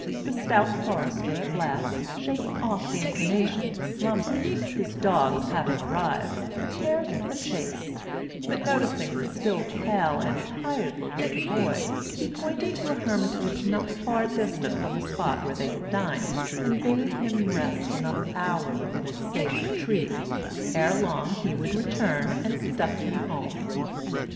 The stout forester at last, shaking off the inclination to slumber, his dogs having arrived, prepared for the chase; but noticing the still pale and tired look of the boy, he pointed to a hermitage not far distant from the spot where they had dined, and bade him rest another hour within its safe retreat: ere long he would return and conduct him home.